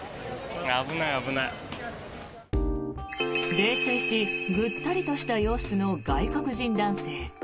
泥酔し、ぐったりとした様子の外国人男性。